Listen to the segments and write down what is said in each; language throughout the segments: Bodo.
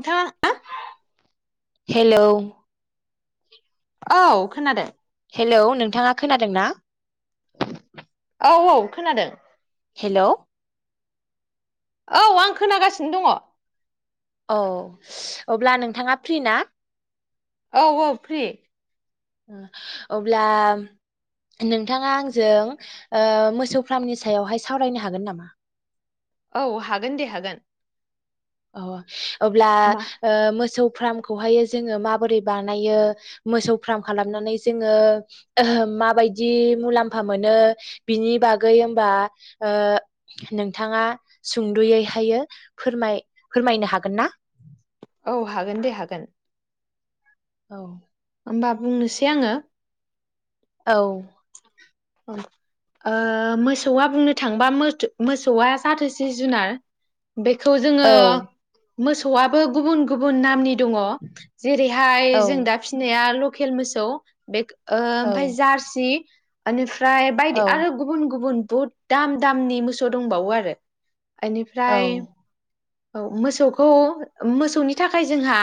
नोंथाङा हेलौ औ खोनादों हेलौ नोंथाङा खोनादों ना औ औ खोनादों हेलौ औ आं खोनागासिनो दङ औ अब्ला नोंथाङा फ्रि ना औ औ फ्रि अब्ला नोंथाङा आंजों ओ मोसौ फार्मनि सायावहाय सावरायनो हागोन नामा औ हागोन दे हागोन अ अब्ला मा ओ मोसौ फार्मखौहायो जोङो माबोरै बानायो मोसौ फार्म खालामनानै जोङो माबायदि मुलाम्फा मोनो बिनि बागै होमबा नोंथाङा सुंद'यैहायो फोरमाय फोरमायनो हागोन ना औ हागोन दे हागोन औ होमबा बुंनोसै आङो औ औ मोसौआ बुंनो थांबा मोसौआ जाथोसे जुनार बेखौ जोङो औ मोसौआबो गुबुन गुबुन नामनि दङ जेरैहाय औ जों दा फिसिनाया खेल मोसौ बे औ ओमफाय जारसि आ फ्राय औ बायदि आरो गुबुन गुबुन बहुद दाम दामनि मोसौ दंबावो आरो औ ओनिफ्राय औ मोसौखौ मोसौनि थाखाय जोंहा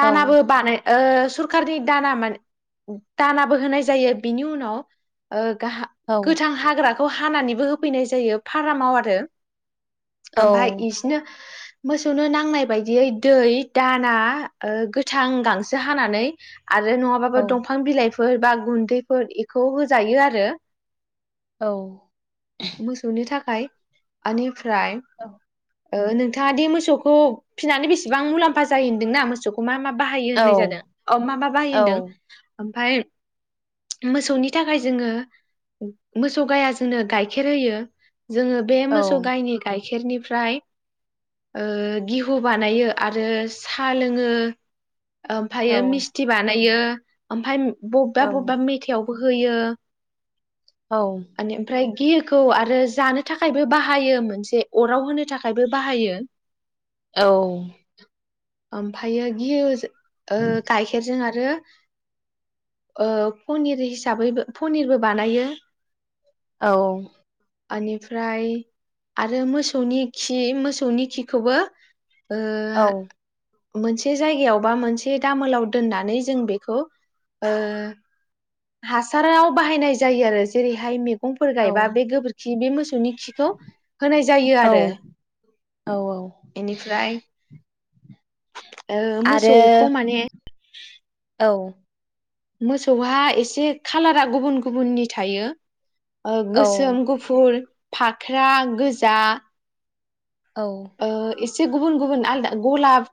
औ बानो ओ सरखारनि दाना माने दानाबो होनाय जायो बिनि उनाव औ गोथां हाग्रा बे खौ हानानैबो होफैनाय जायो फारामाव आरो औ ओमफाय इसनो मोसौनो नांनाय बायदियै दै दाना ओ गोथां गांसो हानानै आरो औ नङाबाबो दंफां बिलाइफोर फोर बा गुन्दैफोर एखौ होजायो आरो औ मोसौनि थाखाय आनि ओमफ्राय ओ नोंथाङादि मोसौखौ फिनानै बेसेबां मुलाम्फा जायो होनदोंना मोसौखौ मा मा बाहायो औ होननाय जादों अ मा मा औ बाहायो होनदों ओमफाय मोसौनि थाखाय जोङो मोसौ गाया जोंनो गाइखेर होयो जोङो बे मोसौ गायनि गाय गाइखेरनिफ्राय ओ गिहु बानायो आरो साहा लोङो औ ओमफायो मिस्थि बानायो ओमफाय बबेबा बबेबा मेथाइआव होयो आन‌ ओमफ्राय गियोखौ आरो जानो थाखायबो बाहायो मोनसे अराव होनो थाखायबो बाहायो औ ओमफायो गियो जो ओ गाइखेरजों आ आरो ओ पनिर हिसाबैबो पनिरबो बानायो औ आनिफ्राय आरो मोसौनि खि मोसौनि खिखौबो ओ औ मोनसे जायगायाव बा मोनसे दामोलाव दोननानै जों बेखौ ओ हासाराव बाहायनाय जायो आरो जेरैहाय मे गंफोर गायबा बे गोबोरखि बि बे मोसौनि खिखौ होनाय जायो औ आरो इनिफ्राय ओ मोसौखौ माने [inaudible] औ मोसौहा एसे खालारा गुबुन गुबुननि थायो ओ औ गोसोम गुफुर फाख्रा गोजा औ ओ एसे एसे गुबुन गुबुन आलदा गलाब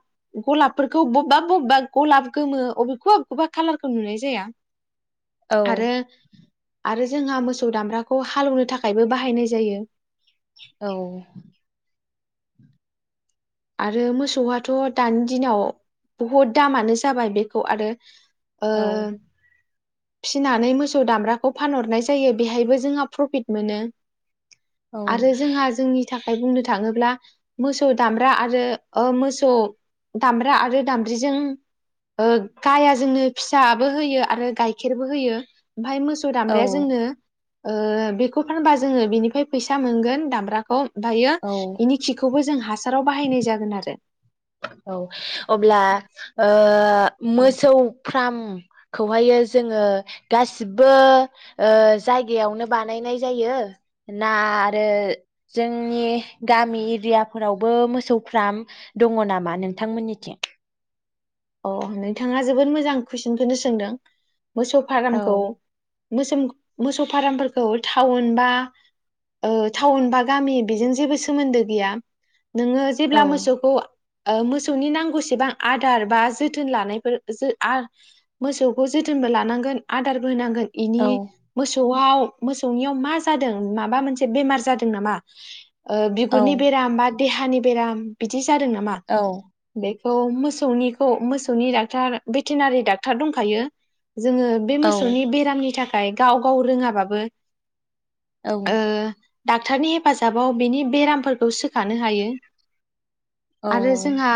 गलाबफोरखौ बबेबा बबेबा गलाब गोमो अबेखौबा बबेखौबा खालारखौ नुनाय जाया आरो आरो जोंहा मोसौ दामब्राखौ हालौवनो थाखायबो बाहायनाय जायो औ आरो मोसौआथ' दानि दिनाव बुहुद दामानो जाबाय बेखौ आरो औ फिसिनानै मोसौ दामब्राखौ फानहरनाय जायो बेहायबो जोंहा प्रफिट मोनो आरो जोंहा जोंनि था ओ‌ बुंनो थाङोब्ला मोसौ दामब्रा आरो ओ मोसौ दामब्रा आरो दामब्रिजों गाया जोंनो फिसाबो होयो आरो गाय खेरबो होयो। ओमफय मोसौ औ दामब्राया जोंनो ओ बेखौ फानबा जोङो बेनिफ्राय फैसा मोनगोन दामब्राखौ। ओमफायो औ बेनि खिखौबो जों हासाराव बाहायनाय जागोन आरो औ अब्ला ओ ओ मोसौ फ्राम खौहायो जोङो गासिबो ओ जायगायावनो बानायनाय जायो ना आरो जोंनि गामि एरियाफोरावबो मोसौफ्राम दङ नामा नोंथांमोननिथिं अ नोंथाङा जोबोद मोजां कुइसनखौनो सोंदों मोसौ औ फारामखौ मोसोम मोसौ फार्मफोरखौ टाउन बा ओ टाउन बा गामि बेजों जेबो सोमोन्दो गैया नोङो जेब्ला औ मोसौखौ ओ मोसौनि नांगौसेबां आदार बा जोथोन लानायफोर जो आ मोसौखौ जोथोनबो लानांगोन आदारबो होनांगोन इनि औ मोसौ आव मोसौनियाव मा जादों माबा मोनसे बेमार जादों नामा ओ औ बिगुरनि बेराम बा देहानि बेराम बिदि जादों नामा औ बे औ मोसौनि खौ मोसौनि डाक्टार भेटेनारि डाक्टार दंखायो जोङो बे औ मोसौनि बेरामनि था फ्राय गाव गाव रोङाबाबो औ डाक्टरनि हेफाजाबाव बेनि बेरामफोरखौ सोखानो हायो औ आरो जोंहा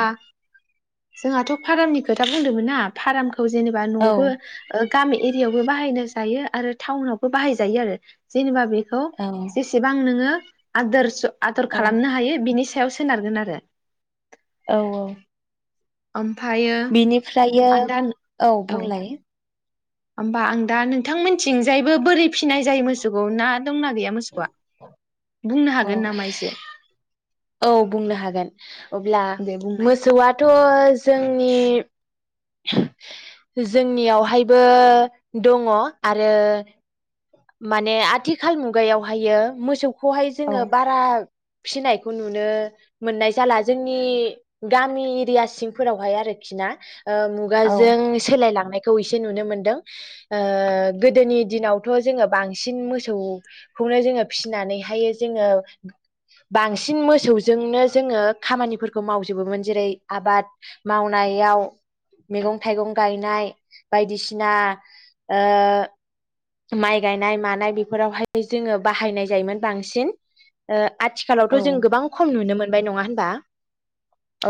जोंहाथ' फारामनि खोथा बुंदोंमोन ना फाराम खौ जेनेबा न'आवबो औ ओ गामि एरिवबो बाहायनो जायो आरो टाउनावबो बाहायजायो आरो जेनेबा बे खौ औ जेसेबां नोङो आदोरस' आदर औ खालामनो हायो बिनि सायाव सोनारगोन आरो औ औ ओम बिनिफ्रायो औ बुंलाय होमबा आं दा नोंथांमोनथिंजायबो बोरै फिसिनाय जायो मोसौखौ ना दंना गैया मोसौआ बुंनो औ हागोन नामा इसे औ बुंनो हागोन अब्ला दे बुंनाय मोसौआथ' जोंनि जोंनियावहायबो दङ आरो माने आथिखाल मुगायावहायो मोसौ खौहाय औ जोङो बारा फिसिनायखौ नुनो मोननाय जाला जोंनि गामि एरिया सिंफोरावहाय आरोखि ना ओ औ मुगाजों सोलायलांनाय खौ इसे नुनो मोनदों ओ गोदोनि दिनावथ' जोङो बांसिन मोसौखौनो जोङो फिसिनानैहाय जोङो बांसिन मोसौजोंनो जोङो खामानिफोरखौ मावजोबोमोन जेरै आबाद मावनायाव मैगं थाइगं गायनाय बायदिसिना ओ माइ गायनाय मानाय बेफोरावहाय जोङो बाहायनाय जायोमोन बांसिन ओ औ आथिखालावथ' जों गोबां खम नुनो मोन मोनबाय नङा होनबा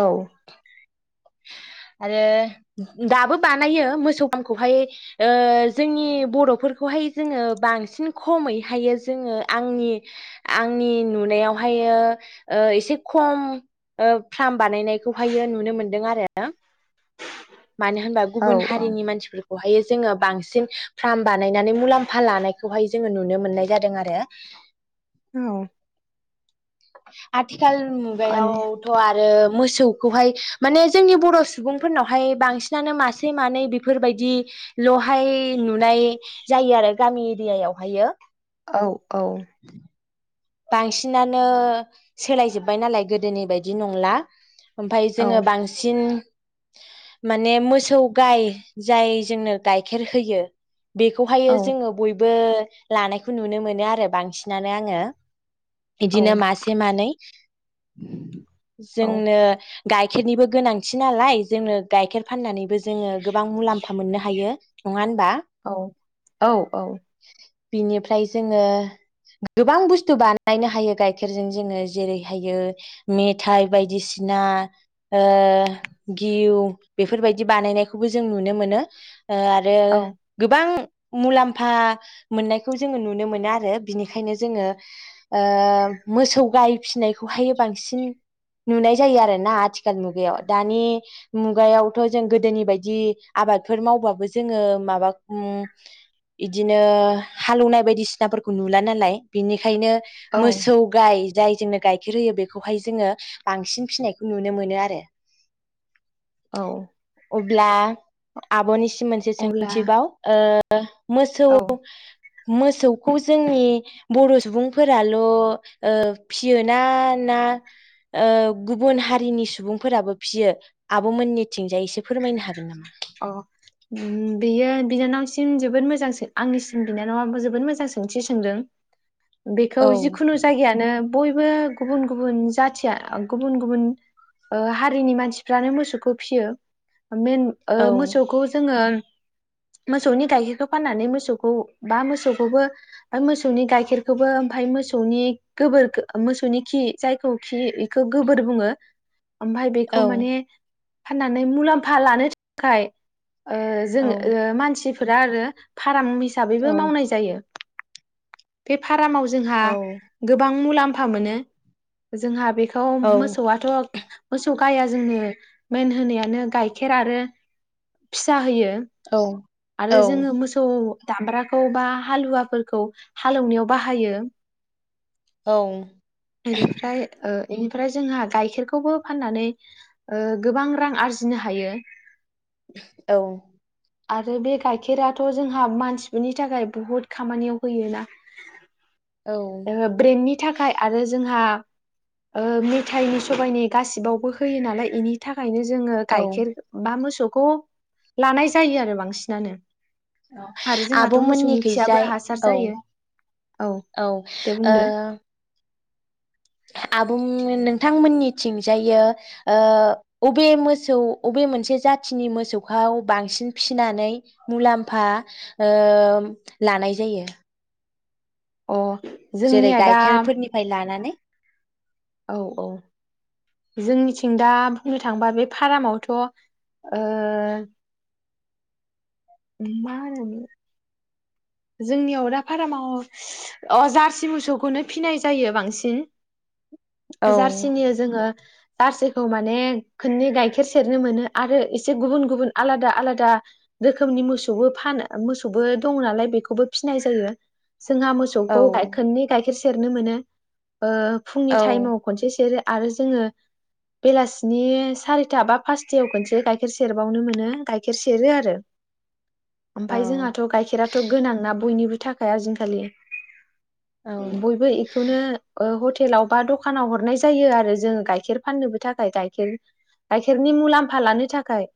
औ आरो दाबो बानायो मोसौ [unintelligible] ओ जोंनि बर'फोर खौहाय जोङो बांसिन खमैहायो जोङो आंनि आंनि नुनायोहायो ओ एसे खम ओ फ्राम बानायनायखौ हायो नुनो मोनदों आरो मानो होनबा गुबुन औ हारिनि मानसिफोरखौ हायो जोङो बांसिन फ्राम बा नायनानै मुलाम्फा लानायखौहाय जोङो नुनो मोननाय जादों आरो औ आथि खाल औ मुगायावथ' आरो मोसौखौहाय माने जोंनि बर' सुबुंफोरनावहाय बांसिनानो मासे मानै बेफोरबायदि ल'हाय नुनाय जायो आरो गामि इरिया यावहायो औ औ बांसिनानो सोलायजोब्बाय नालाय गोदोनि बायदि नंला ओमफाय जोङो बांसिन माने मोसौ गाय जाय जोंनो गाइखेर होयो औ बेखौहायो जोङो बय बो लानायखौ नुनो मोनो आरो बांसिनानो आङो बिदिनो औ मासे मानै [unintelligible] औ जोंनो गाइखेरनिबो गोनांथि नालाय जोंनो गाइखेर फाननानैबो जोङो गोबां मुलाम्फा मोननो हायो। नङा होन औ औ औ बिनिफ्राय जोङो गोबां बुस्थ थु बानायनो हायो गाइखेरजों जोङो जेरैहायो मेथाइ बायदिसिना ओ गिउ बेफोरबायदि बानायनायखौबो जों नुनो मोनो ओ आरो औ गोबां मुलाम्फा मोननायखौ जोङो नुनो मोनो आरो बिनिखायनो जोङो ओ मोसौ गाय फिसिनायखौहाय बांसिन नुनाय जायो आरो ना आथिखाल मुगायाव दानि मुगायावथ जों गोदोनि बायदि आबादफोर मावबाबो जोङो माबा उम इदिनो हालौवनाय बायदिसिनाफोरखौ नुला नालाय बिनि खायनो औ मोसौ गाय जाय जोंनो गाइखेर होयो बेखौहाय जोङो बांसिन फिसिनायखौ नुनो मोनो आरो औ ब्ला आब'नि मोनसे अब्ला सोंथिबाव ओ ओ मोसौ औ मोसौखौ जोंनि बर' सुबुंफोराल ओ फिसियो ना ना ओ गुबुन हारिनि सुबुंफोराबो फिसियो आब'मोननिथिंजाय एसे फोरमायनो हागोन नामा अ बेयो बिनानावसिम जोबोद मोजां सों आंनिसिम बिनानावा जोबोद मोजां सोंथि सोंदों बेखौ औ जिखुनु जायगायानो बयबो गुबुन गुबुन जाथिया गुबुन गुबुन ओ हारिनि मानसिफ्रानो मोसौखौ फिसियो मेन ओ औ मोसौखौ जोङो मोसौनि गाइखेरखौ फाननानै मोसौखौ बा मोसौखौबो मोसौनि गाइखेरखौबो ओमफाय मोसौनि गोबोर मोसौनि खि जायखौ खि इखो गोबोर बुङो ओमफ्राय बेखौ औ माने फाननानै मुलाम्फा लानो थाखाय ओ जों औ ओ मानसि फोरा आरो। फाराम हिसाबैबो औ मावनाय जायो बे फा फारामाव जोंहा औ गोबां मुलामफा मोनो जोंहा बे औ मोसौआथ' मोसौ गाया जोंनो मेन होनायानो गाइखेर आरो फिसा होयो औ आरो जोङो मोसौ दामब्राखौ बा हालुवाफोरखौ हालौवनायाव बाहायो औ बेनिफ्राय ओ बेनिफ्राय जोंहा गाइखेरखौबो फाननानै ओ गोबां रां आरजिनो हायो औ आरो बे गाइखेराथ जोंहा मानसिफोरनि थाखाय बहुद खामानियाव होयोना औ ब्रेेननि थाखाय आरो जोंहा ओ मेथाइनि सबायनि गासिबावबो होयो नालाय बेनि थाखाय नो जोङो औ गाइखेर बा मोसौ खौ लानाय जायो आरो बांसिनानो आरो जोंहाथ' आब'मोननि मोसौनि खियाबो खैजाय हासार औ जायो औ औ‌ ओ दे बुंदो आबुं नोंथांमोननिथिंजायो ओ‌ बबे मोसौ बबे मोनसे जाथिनि मोसौखौ बांसिन फिनानै मुलाम्फा ओ लानाय जायो? अ जेरै जोंनिया दा गाइखेरफोरनिफ्राय लानानै औ औ जोंनिथिं दा बुंनो थाङोबा बे फारामावथ' ओ मा होनोमोन जोंनियाव दा फारामाव अ जारसि मोसौखौनो फिनाय जायो बांसिन। औ जारसिनि जोङो जारसि माने खननै गाइखेर सेरनो मोनो आरो एसे गुबुन गुबुन आलादा आलादा रोखोमनि मोसौबो फानो मोसौबो दङ नालाय बे बेखौबो फिनाय जायो। जोंहा औ मोसौखौ गायखेरनि गाय सेर सेरनो मोनो ओ फुंनि औ टाइमाव खनसे सेरो आरो जोङो बेलासिनि सारिथा बा पासथायाव खनसे गाइखेर सेरबावनो मोनो गाइखेर सेरो आरो औ ओमफाय जोंहाथ' गाइखेराथ' आंना बयनिबो थाखाय आजिनखालि औ बयबो बेखौनो ह हटेलाव बा दखानाव हरनाय जायो आरो जोंङो गाइखेर फाननोबो थाखाय गाइखेर गाइखेरनि मुलाम्फा लानो थाखाय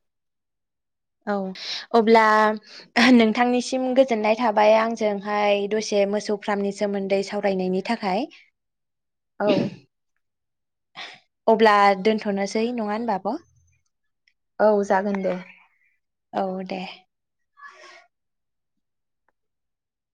औ अब्ला नोंथांनिसिम गोजोननाय थाबाय आंजोंहाय दसे मोसौ फार्मनि सोमोन्दै सावरायनायनि थाखाय। औ अब्ला दोनथ'नोसै नङा होनबा आब'। औ जागोन दे औ दे